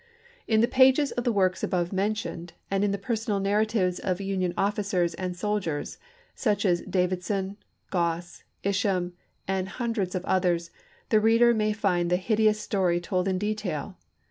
In the pages of the works above mentioned, and in the personal narratives of Union officers and sol diers, such as Davidson, Gross, Isham, and hun dreds of others, the reader may find the hideous story told in detail.